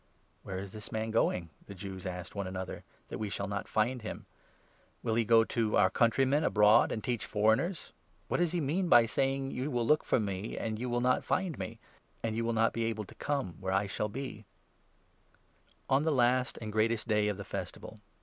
"Where is this man going," the Jews asked one another, 35 " that we shall not find him ? Will he go to our countrymen abroad, and teach foreigners ? What does he mean by saying 36 ' You will look for me, and you will not find me ; and you will not be able to come where I shall be '?" The 'Living On the last and greatest day of the Festival, 37 water.'